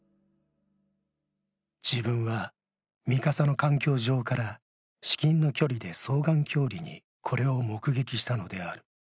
自分は「三笠」の艦橋上から至近の距離で双眼鏡裡にこれを目撃したのである。